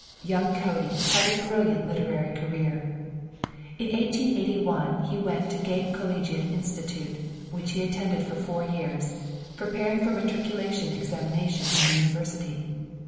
Young Cody had a brilliant literary career. In 1881 he went to Gait Collegiate Institute, which he attended for four years, preparing for matriculation examination in the university.